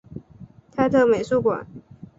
泰特美术馆。